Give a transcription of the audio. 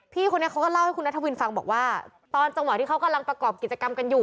พี่คนนี้เขาก็เล่าให้คุณนัทวินฟังบอกว่าตอนจังหวะที่เขากำลังประกอบกิจกรรมกันอยู่